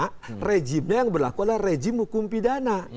karena rejimnya yang berlaku adalah rejim hukum pidana